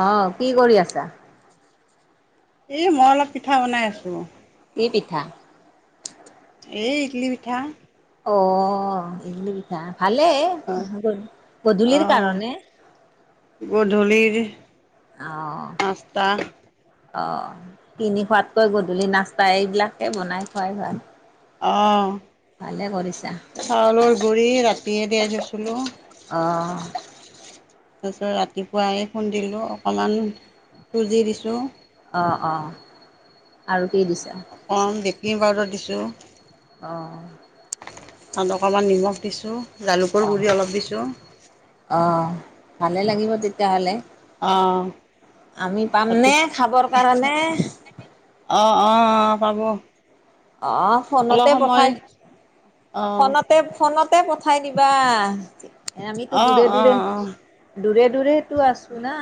অ', কি কৰি আছা? এই মই অলপ পিঠা বনাই আছোঁ। কি পিঠা? এই ইতলি পিঠা। অ', ইতলি পিঠা ভালে। অ', গধূলিৰ অ'। নাস্তা অ', কিনি খোৱাতকৈ গধূলি নাস্তা এইবিলাকে বনাই খোৱাই ভাল। ভালে কৰিছা অ'। চাউলৰ গুৰি ৰাতিয়ে তিয়াই থৈছিলোঁ। অ', [inaudible] তাৰপিছত ৰাতিপুৱাই খুন্দিলোঁ, অকণমান চুজি দিছোঁ। অ', অ', আৰু কি দিছা? অকণ বেকিং পাউদাৰ দিছোঁ। অ'। তাত অকণমান নিমখ দিছোঁ, জালুকৰ অ', গুড়ি অলপ দিছোঁ। অ', ভালে লাগিব তেত তেতিয়া হ'লে অঁ আমি ৰাতি পামনে খাবৰ কাৰণে? অ', অ', পাব। অ' অলপ ফোনতে সময় পঠাই অঁ ফোনত তে ফোনতে পঠাই দিবা, আমিতো অঁ দূৰে অঁ দূৰে অঁ দূৰে দূৰেতো আছো না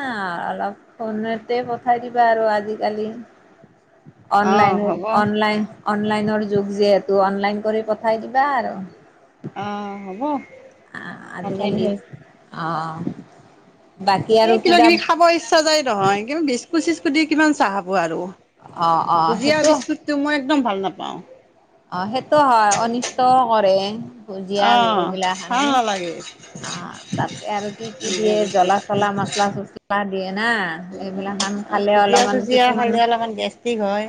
অলপ। ফোনতে পঠাই দিবা আৰু আজিকালি। অঁ অনলাইনৰ হ'ব অনলাইন অনলাইনৰ যুগ যিহেতু, অনলাইন কৰি পঠাই দিবা আৰু। অ', হ'ব। আহ, পঠাই আজিকালি দিম সেই অ'। এই কিবা কিবি খাব ইছ ইচ্ছা যাই নহয়, কিন্তু বিস্কুট চিস্কুট দি কিমান চাহ খাব আৰু অঁ অঁ ভুজিয়া সেইটো বিস্কুট টো মই একদম ভাল নাপাওঁ। অ', সেইটো হয়, অনিষ্টও কৰে ভুজিয়া অঁ ভাল এইবিলাকখানে। নালাগে অ' তাতে আৰু কি কি ভুজিয়া দিয়ে বিস্কুটটো জ্বলা-চলা, মছলা-চচলা দিয়ে না এইবিলাকখান আৰু খালে ভুজিয়া অলপমান চুজিয়া কিছুমান খালে অলপমান গেষ্ট্ৰিক হয়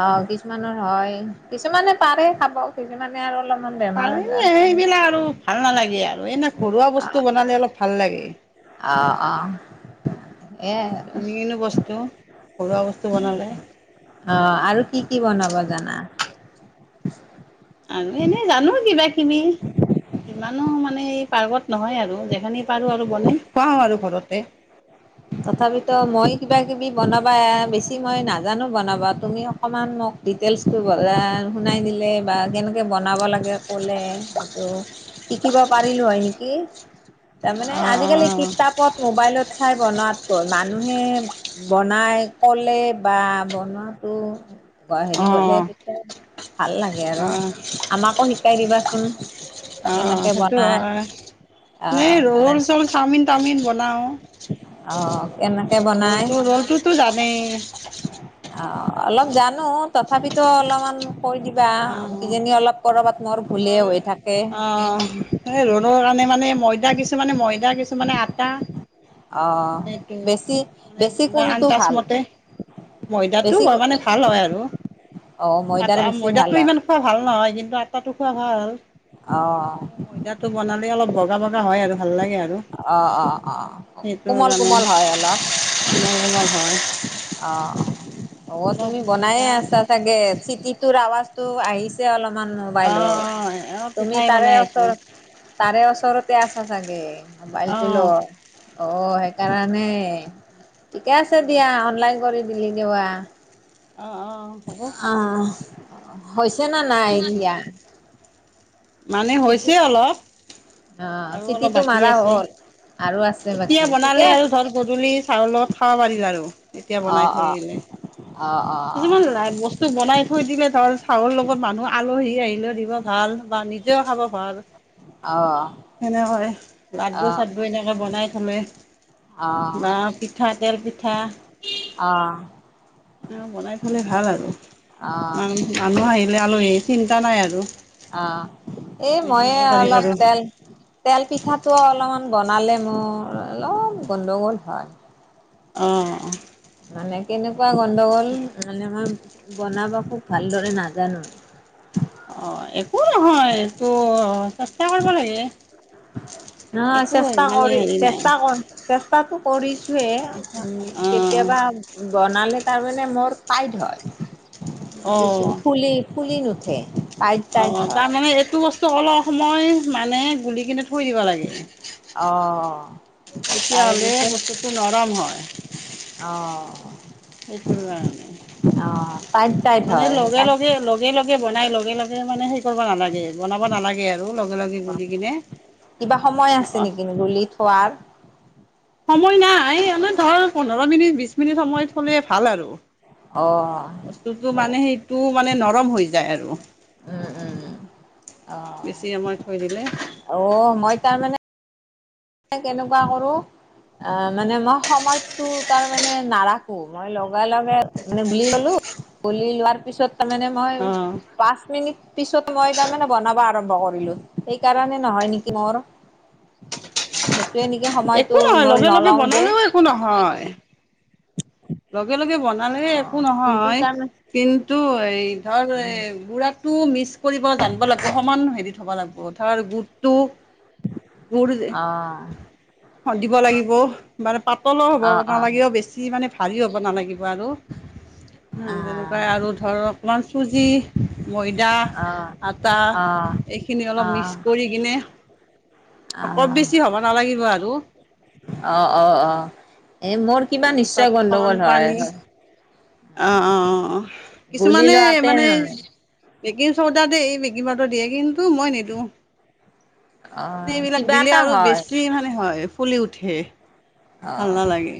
আহ, কিছুমানৰ হয়, কিছুমানে পাৰে খাব। কিছুমানে আৰু অলপমান বে পাৰি সেইবিলাক আৰু ভাল নালাগে আৰু এনে ঘৰুৱা বস্তু বনালে অলপ ভাল লাগে। অ', অ', এই যিকোনো বস্তু ঘৰুৱা বস্তু বনালে অ আৰু কি কি বনাব জানা [unintelligible] আৰু এনে জানো কিবা কিবি ইমানো মানে পাৰ্গত নহয় আৰু যেইখিনি পাৰো আৰু বনাই খোৱাওঁ আৰু ঘৰতে [unintelligible] তথাপিতো মই কিবা কিবি বনাবা বেছি মই নাজানো বনাবা তুমি অকণমান মোক ডিটেলছটো বনা শুনাই দিলে বা কেনেকে বনাব লাগে ক'লে হয়টো শিকিব পাৰিলো হয় নিকি তাৰমানে আজিকালি অঁ কিতাপত মোবাইলত চাই বনোৱাতকৈ মানুহে বনাই ক'লে বা বনাটো হেৰি অঁ হলে অঁ তেতিয়া ভাল লাগে আৰু অ', আমাকো শিকাই দিবাচোন অঁ কেনেকে সেইটো বনাই হয় এই আহ ৰ'ল চ'ল চাওমিন টাওমিন বনাওঁ আহ কেনেকে বনাই ৰলটো ৰলটোতো জানেই অ অলপ জানো তথাপিতো অলপমান কৈ দিবা অ', কিজানি অলপ কৰবা ম'ৰ ভুলে হৈ থাকে অ এই ৰ'লৰ কাৰণে মানে ময়দা কিছুমানে ময়দা কিছুমানে আটা আহ সেইটোৱে বেছি এইবিলাক মানে বেছি কোনটো ভাল আন্দাজমতে ময়দাটো বেছি লয় মানে ভাল হয় আৰু অ ময়দাৰ আটা বেছি ভাল ময়দাটো হয় ইমান খোৱা ভাল নহয় কিন্তু আটাটো খোৱা ভাল অ কিন্তু ময়দাটো অলপ বগা বগা হয় ভাল লাগে আৰু অ অ অ কোমল কোমল হয় অলপ কোমল কোমল হয় অ অ অলপ তুমি বনাইয়ে ময়দা আছা চাগে চিটিটোৰ আৱাজটো আহিছে এতিয়া অলমান মোবাইলত অ', অ', তুমি পিঠাই তাৰে বনাই আছোঁ। ওচৰত তাৰে ওচৰতে আছা চাগে মোবাইলটো অ', লৈ অ সেইকাৰণে ঠিকে আছে দিয়া অনলাইন কৰি দিলি দিবা অ অ হ'ব। অ হৈছে না নাই উম, এতিয়া মানে চিটি হৈছে অলপ অ', আৰু অলপ চিটিটো বাকী মাৰা আছে হ'ল। আৰু আছে বাকী এতিয়া ঠিকে বনালে আৰু আছে ধৰ গধূলি চাহৰ লগত খাব পাৰি আৰু এতিয়া অ', বনাই থৈ অ', দিলে অ অ কিছুমান বস্তু বনাই থৈ দিলে ধৰ চাহৰ লগত মানুহ আলহী আহিলেও দিব ভাল বা নিজেও খাব হল অ'। অ', সেনেকৈ লাড্ডু অ'। চাড্ডু এনে বনাই থলে অ', বা পিঠা তেল পিঠা অ বনাই থলে ভাল আৰু অ', মান মানুহ আহিলে আলহী চিন্তা নাই আৰু অ এই আমি দি দিব মইয়ে পাৰিম অলপ আৰু। তেল তেল পিঠাটো অলমান বনালে মোৰ অলপ গণ্ডগোল হয় অ অ মানে কেনেকুৱা গণ্ডগোল মানে মই বনাব খুব ভালদৰে নাজানো অ একো নহয় এইটো চেষ্টা কৰিব লাগে নহয় একো চেষ্টা মানে কৰি হেৰি নাই চেষ্টা কৰ চেষ্টাতো কৰিছোৱে উম অ', কেতিয়াবা বনালে তাৰমানে মোৰ টাইট হয় কিছু অ'। ফুলি ফুলি নুঠে। টাইট অ', টাইট অ', হয়। তাৰমানে এইটো বস্তু অলপ সময় মানে গুলিকিনে থৈ দিব লাগে। অ', তেতিয়া তাৰে হ'লে পিছত বস্তুটো নৰম হয়। অ'। সেইটোৰ কাৰণে। অ' টাইট টাইট মানে হয় লগে, টাইট লগে, লগে, লগে বনাই লগে, লগে মানে সেই কৰিব নালাগে, বনাব নালাগে আৰু লগে লগে গুলি কিনে। কিবা সময় আছে নেকি গুলি থোৱাৰ সময় নাই, এনে ধৰ পোন্ধৰ মিনিট বিশ মিনিট সময়ত হ'লে ভাল আৰু। অ'। বস্তুটো মানে সেইটো মানে নৰম হৈ যায় আৰু। উম, উম, উম। বেছি সময় থৈ দিলে অ', মই তাৰমানে কেনেকুৱা কৰোঁ আ, মানে মই সময়টো তাৰ মানে নাৰাখোঁ। মই লগে, লগে মানে গুলি ল'লো গুলি লোৱাৰ পিছত তাৰমানে মই অ' পাঁচ মিনিট পিছত মই তাৰমানে বনাব আৰম্ভ কৰিলোঁ। সেইকাৰণে নহয় নেকি মোৰ। সেইটোৱে নেকি সময়টো মই নলওঁ যে। কো নহয় লগে, লগে বনালেহে একো অ' কিন্তু নহয়, তাৰমানে কিন্তু এই ধৰ এই গুড়াটো মিক্স কৰিব জানিব লাগিব সমান হেৰিত হ'ব লাগিব, ধৰ গোটটো অ'। দিব লাগিব, মানে পাতলো হ'ব অ' অ' নালাগিব বেচ্ তি মানে ভাৰি হ'ব নালাগিব আৰু। উম, তেনেকুৱাই অ', আৰু ধৰ অকণমান চুজি ময়দা, অ', আটা, অ', এইখিনি অলপ মিক্স অ', কৰি কিনে, অকব বেছি হ'ব নালাগিব আৰু। অ', অ', অ', এ, মোৰ কিবা নিশ্চয় তাত অকমান গণ্ডগোল হয়, পানী হয়। অ', অ', অ', অ', গুলি কিছুমানে লওঁতে মানে বেকিং চদা দেই এই কিবাতো দিয়ে, কিন্তু মই নিদিওঁ। মানে অ', এইবিলাক কিবা দিলে এটা আৰু হয়, বেছি মানে হয়, ফুলি উঠে। ভাল অ', নালাগে।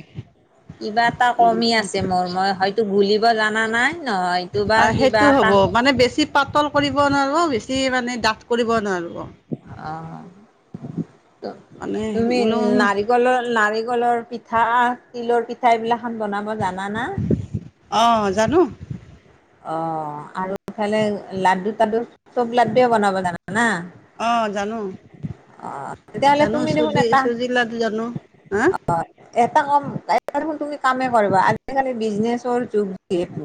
কিবা এটা কমি আছে মোৰ, মই হয়ত্ তো গুলিব জানা নাই, নহয়তো বা কিবা সেইটো এটা হ'ব মানে বেছি পাতল কৰিব নোৱাৰিব, বেছি মানে ডাঠ কৰিব নোৱাৰিব। অ'। মানে তুমি বোলো নাৰিকলৰ, নাৰিকলৰ পিঠ্ ঠা, তিলৰ পিঠা, এইবিলাকখন বনাব জানা না? অ', জানোঁ। অ', আৰু ইফালে লাডু চাডু চব লাড্ডুৱে বনাব জান না? অ', জানোঁ। তেতিয়াহ'লে জানোঁ তুমি দেখোন চুজি এটা চুজিৰ লাডু জানোঁ, হা? এটা কম এটা দেখোন তুমি কামেই কৰিবা, আজিকালি বিজনেচৰ যুগ যিহেতু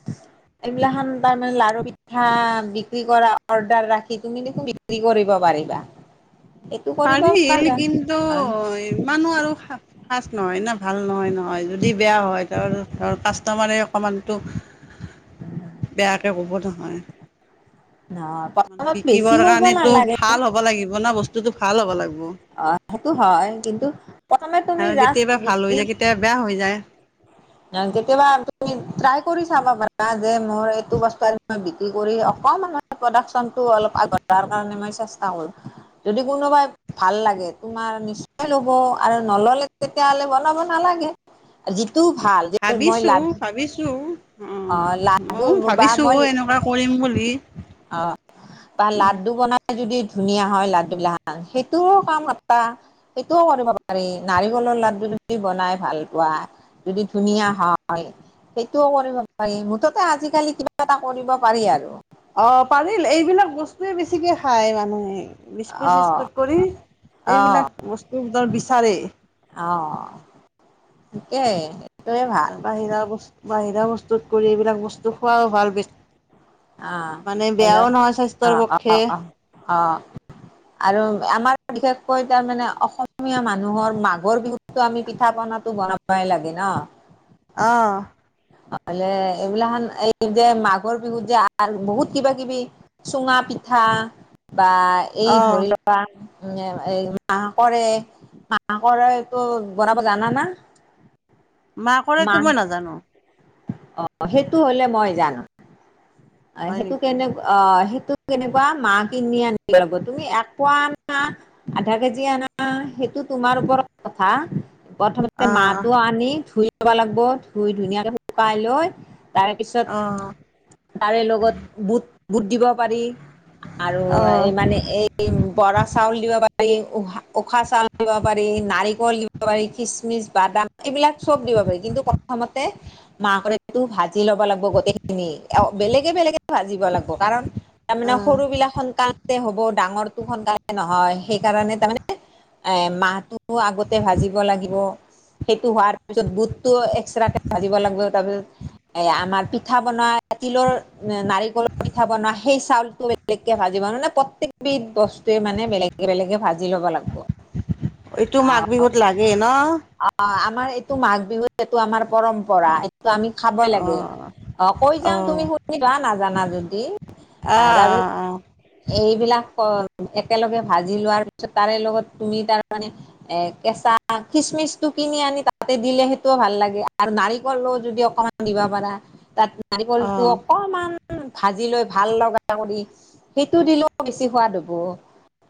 [unintelligible] এইবিলান তাৰমানে লাৰু পিঠা বিক্ৰী কৰা অৰ্ডাৰ ৰাখি তুমি দেখোন বিক্ৰী কৰিব পাৰিবা। [unintelligible] এইটো কৰিব পাৰিল পাৰিবা লেকিন কিন্তু আহ ইমান ও আৰু খাচ নহয় নে ভাল নহয় নহয় যদি বেয়া হয়? ধৰ কাষ্টমাৰে অকনমান টো বেয়াকে ক'ব নহয়। [inaudible] মানে বেছি বিকিবৰ কৰিব কাৰণো নালাগে ভাল হ'ব লাগিব না বস্তুতটো ভাল হ'ব লাগিব। অ, ' সেইটো হয় কিন্তু প্ৰথমে তুমি আৰু জা কেতিয়াবা ভাল হৈ যায় কেতিয়াবা বেয়া হৈ যায়। কেতিয়াবা তুমি ট্ৰাই কৰি চাব পাৰা যে মোৰ এইটো বস্তু আ মই বিক্ৰি কৰি অকণমান প্ৰডাকশ্যনটো অলপ আগবঢ়োৱাৰ তাৰ কাৰণে মই চেষ্টা কৰো। যদি কোনোবাই ভাল লাগে তোমাৰ নিশ্চয় ল'ব আৰু নললে তেতিয়াহ'লে বনাব নালাগে। যিটো ভাল। যে মই ভাবিছোঁ লাডু ভাবিছোঁ অহ, অ' লাডু 'ময়ো ভাবিছোঁ এনেকুৱা কৰিম বুলি? অহ। বা লাড্ডু বনাই যদি ধুনীয়া হয় লাড্ডু বিলা সেইটোৰো কাম এটা। সেইটোও কৰিব পাৰি নাৰিকলৰ লাড্ডু যদি বনাই ভাল পোৱা। যদি ধুনীয়া হয়, সেইটোও কৰিব পাৰি। হয় মুঠতে আজিকালি কিবা এটা কৰিব পাৰি আৰু। অ, পাৰি এইবিলাক বস্তুয়ে বেছিকে খায় মানুহে। বিস্কুট অঁ চিস্কুট কৰি এইবিলাক বস্তুৰ বিচাৰে। অহ ঠিকেই। সেইটোৱে ভাল তাৰপৰা বাহিৰা বস্তু বাহিৰা বস্তুত কৰি এইবিলাক বস্তু খোৱাও ভাল বেছি। অঁ মানে বেয়াও নহয় স্বাস্থ্যৰ পক্ষে। অ। আৰু আমাৰ বিশেষকৈ তাৰ মানে অসমীয়া মানুহৰ মাঘৰ বিহুত টো আমি পিঠা পনা টো বনাবই লাগে ন। আহ। [inaudible] আৰু বহুত কিবা কিবি চুঙা পিঠা বা এই অহ ধৰি লওক বা এই মাহ কৰে মাহ কৰে এইটো বনাব জানা না? মাহ কৰেই তো মই নাজানো। অ সেইটো হ'লে মই জানো হয় সেইটো নেকি কেনে অ, 'সেইটো কেনেকুৱা মা কিনি আনিব লাগিব তুমি এক পোৱা আনা। আধা কেজি অনা সেইটো তোমাৰ ওপৰত কথা প্ৰথম তে অহ মাহটো আনি ধুই লব লাগিব ধুই ধুনীয়াকে শুকাই লয় তাৰপিছত অহ তাৰে লগত বুট- বুট দিব পাৰি আৰু অহ এই মানে এই পাৰি বৰা চাউল দিব পাৰি উশাহ চাউল দিব পাৰি নাৰিকল দিব পাৰি কিচমিচ বাদাম এইবিলাক চব দিব পাৰি কিন্তু প্ৰথমতে মাহ কৰেটো ভাজি ল'ব লাগিব গোটেইখিনি বেলেগে বেলেগে ভাজিব লাগিব কাৰণ তাৰমানে অহ সৰু বিলাক সোনকালে হ'ব ডাঙৰটো সোনকালে নহয় সেইকাৰণে তাৰমানে এই মাহটো আগতে ভাজিব লাগিব। সেইটো হোৱাৰ পিছত বুটটো এক্সট্ৰাকে ভাজিব লাগিব তাৰপিছত এ' আমাৰ পিঠা বনোৱা তিলৰ, নাৰিকলৰ পিঠা বনোৱা সেই চাউলটো- বেলেগকে ভাজিব মানে, প্ৰত্যেক বিধ বস্তুৱে মানে বেলেগে-বেলেগে ভাজি ল'ব লাগিব। এইটো মাঘ বিহুত লাগে ন'। অঁ', আমাৰ এইটো মাঘ বিহুত এইটো আমাৰ পৰম্পৰা এইটো আমি খাব লাগে। অহ অঁ' কৈ যাম অহ তুমি শুনিবা নাজানা যদি, আঁহ' তাৰপিছত- আহ এইবিলাক একেলগে ভাজি লোৱাৰ পিছত তাৰে লগত তুমি তাৰ মানে- এ' কেঁচা খিচমিচটো কিনি আনি তা'তে দিলে সেইটোও ভাল লাগে, আৰু নাৰিকলৰ- যদি অকণমান দিব পাৰা তা'ত নাৰিকলটো অহ অকণমান- ভাজি লৈ ভাল লগা কৰি সেইটো দিলেও বেছি সোৱাদ হ'ব।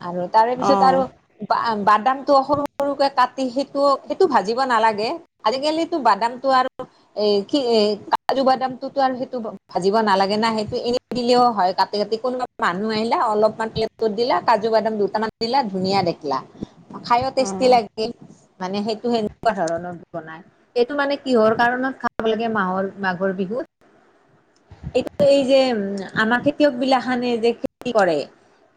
আৰু- অহ অহ তাৰেপিছত আৰু বাদামটো সৰু-সৰুকৈ কাটি সেইটো-সেইটো ভাজিব নালাগে। আজিকালিতো বাদামটো আৰু- এ' কি এ' কাজু বাদামটো তো আৰু সেইটো ভাজিব নালাগে না সেইটো এনেই দিলেও হয়। কিন্তু কোনোবা মানুহ আহিলে অলপমান কেলিপ্সটো দিলে কাজু বাদাম দুটামান দিলে ধুনীয়া দেখিলা। খাইও টেষ্টি লাগে। মানে সেইটো সেনেকুৱা ধৰণৰ বনাই। এইটো মানে কিহৰ কাৰণত খাই খাব লাগে মাহৰ-মাঘৰ বিহুত। এইটো এই যে উম' আমাৰ খেতিয়ক বিলাকখনে যে খেতি কৰে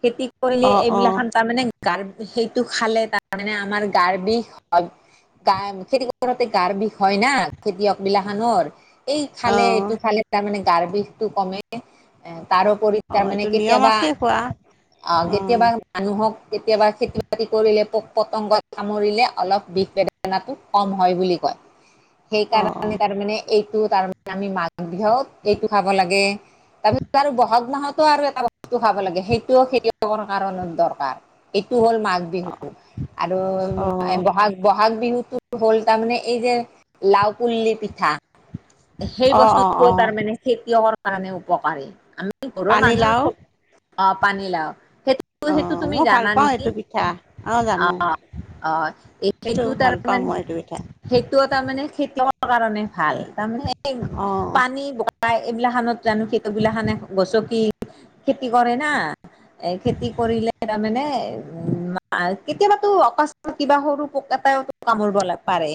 খেতি- কৰিলে অহ অহ এইবিলাক অহ খন তাৰমানে গাৰ সেইটো খালে তাৰমানে আমাৰ গাৰ বিষ হয়। গা, খেতি কৰোতে গাৰ বিষ হয় না খেতিয়ক বিলাকখনৰ। এই খালে এইটো খালে তাৰমানে গাৰ বিষতো কমে। তাৰোপৰি অহ তাৰ মানে এইটো নিয়ম কেতিয়াবা আছে খোৱা অঁ' অহ কেতিয়াবা- মানুহক কেতিয়াবা খেতি-বাতি কৰিলে পোক-পতংগত কামুৰিলে অলপ বিষ বে- নাবোৰ কম হয় বুলি কয়। সেইকাৰণে- অহ তাৰমানে এইটো তাৰমানে আমি মাঘ বিহুত এইটো খাব লাগে। তাৰপিছত আৰু বহাগ মাহতো আৰু এটা বস্তু খাব লাগে সেইটোও খেতিয়কৰ কাৰণে দৰকাৰ। এইটো হ'ল মাঘ বিহু, আৰু অহ উম' বহাগ - বহাগ বিহুতটো হ'ল তাৰমানে এই যে লাউ পুল্লুলি পিঠা- সেই অহ অহ বস্তুটো অহ তাৰমানে খেতিয়কৰ উপকাৰী। আমি ঘৰৰ মানুহ পানীলাও চব- অঁ' পানীলাউ, অ সেইটো-সেইটো তুমি মই ভাল জানা পাওঁ নেকি এইটো পিঠা অ জানো অঁ'। অঁ', এই সেইটো ভাল পাওঁ তাৰমানে- মই এইটো পিঠা সেইটো তাৰমানে খেতিয়কৰ কাৰণে ভাল, তাৰমানে অ পানী প্ৰায় এইবিলা খানত জানো সেইবিলাখানে গছকি খেতি কৰে না' এ' খেতি কৰিলে তাৰমানে উম' কেতিয়াবাতো অকস্মাত কিবা সৰু পোক এটাইও কামুৰিব ল' পাৰে।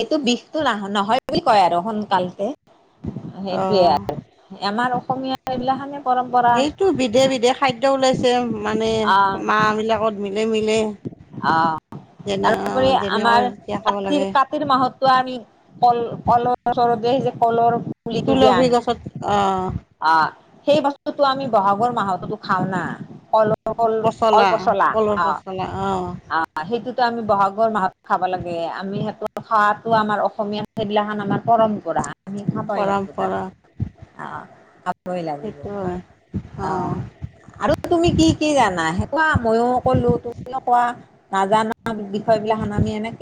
এইটো বিষটো ন-নহয় বুলি কয় আৰু সোনকালতে, অ সেইটোৱে আৰু। আমাৰ অসমীয়া এইবিলাক খানে - সেইটো বিধে-বিধে খাদ্য ওলাইছে মানে আহ মাহ বিলাকত- মিলে-মিলে আহ যেনে-অঁ' যেনেকৈ তেতিয়া খাব লাগে। সেইটো মাহতো আমি কল-কলৰ ওচৰতে আহি যে কলৰ- পুলিটো যে তুলসী আনো। গছত অ অঁ', সেই বস্তুটো আমি বহাগৰ মাহতো খাওঁ না। কল কল-কলপচলা অঁ',। অঁ'। অঁ', সেইটোতো আমি বহাগৰ মাহত খাব লাগে, আমি সেইটো খোৱাটো আমাৰ অসমীয়া- সেইবিলাক খান আমাৰ পৰম্পৰা আমি খাবাই লাগিব তা'ত। পৰম্পৰা অহ' খাবই লাগিব সেইটো অ'। হয় অ আৰু তুমি কি কি জানা, সেইটো কোৱা মইয়ো ক'লো তোক- নাজানা বিষয় বিলাক আমি এনেকে-